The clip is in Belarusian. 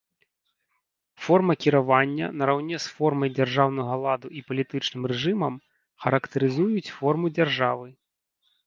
Форма кіравання нараўне з формай дзяржаўнага ладу і палітычным рэжымам характарызуюць форму дзяржавы.